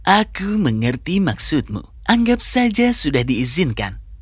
aku mengerti maksudmu anggap saja sudah diizinkan